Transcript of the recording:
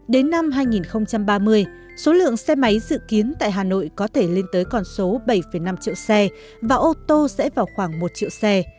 đến năm hai nghìn ba mươi số lượng xe máy dự kiến tại hà nội có thể lên tới con số bảy năm triệu xe và ô tô sẽ vào khoảng một triệu xe